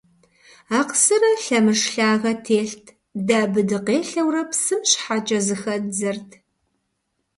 Акъсырэ лъэмыж лъагэ телът, дэ абы дыкъелъэурэ псым щхьэкӏэ зыхэддзэрт.